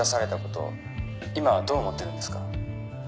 今はどう思ってるんですか？」